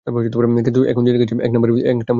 কিন্তু এখন জেনে গেছি, এক নাম্বারের ভীতু তুমি একটা।